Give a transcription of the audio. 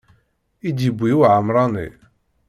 I d-yewwi uɛemṛani.